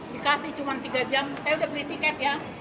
dikasih cuma tiga jam saya udah beli tiket ya